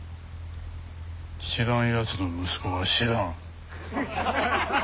知らんやつの息子は知らん。